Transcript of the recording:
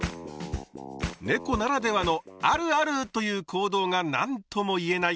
ねこならではの「あるある！」という行動が何とも言えない